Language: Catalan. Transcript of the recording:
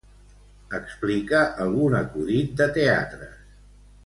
Explica algun acudit de teatres.